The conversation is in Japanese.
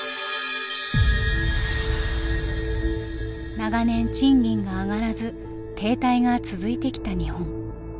長年賃金が上がらず停滞が続いてきた日本。